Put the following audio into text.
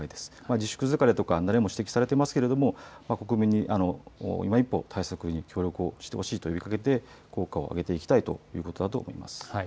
自粛疲れとか慣れも指摘されてますけれども、国民にいま一歩、対策に協力をしてほしいと呼びかけて、効果を上げていきたいということだと思います。